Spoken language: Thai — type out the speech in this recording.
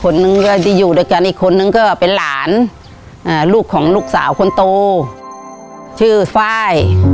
คนนึงก็ที่อยู่ด้วยกันอีกคนนึงก็เป็นหลานลูกของลูกสาวคนโตชื่อไฟล์